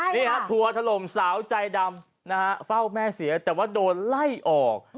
นี่ฮะทัวร์ถล่มสาวใจดำนะฮะเฝ้าแม่เสียแต่ว่าโดนไล่ออก